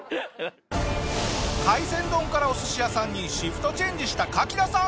海鮮丼からお寿司屋さんにシフトチェンジしたカキダさん。